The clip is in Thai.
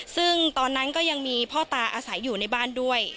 ซึ่งตอนนั้นก็ยังมีพ่อตาอาศัยอยู่ในบ้านด้วย